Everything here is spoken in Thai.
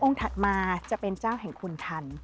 องค์ถัดมาจะเป็นเจ้าแห่งคุณธรรม